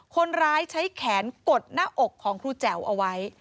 คนร้ายใช้แขนกดหน้าอกของครูแจ๋วเอาไว้